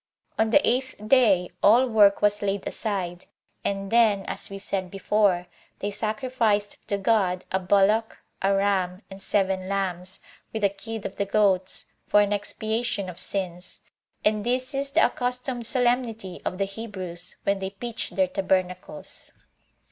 On the eighth day all work was laid aside, and then, as we said before, they sacrificed to God a bullock, a ram, and seven lambs, with a kid of the goats, for an expiation of sins. And this is the accustomed solemnity of the Hebrews, when they pitch their tabernacles.